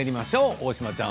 大島ちゃん